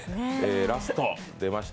ラスト、出ました。